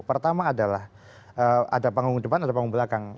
pertama adalah ada panggung depan atau panggung belakang